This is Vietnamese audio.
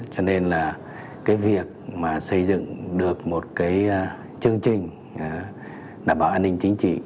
cho nên là cái việc mà xây dựng được một cái chương trình đảm bảo an ninh chính trị